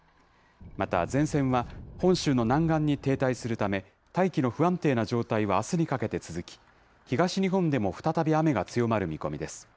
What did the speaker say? また前線は、本州の南岸に停滞するため、大気の不安定な状態はあすにかけて続き、東日本でも再び雨が強まる見込みです。